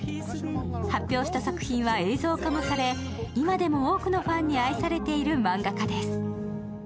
発表した作品は映像化もされ、今でも多くのファンに愛されている漫画家です。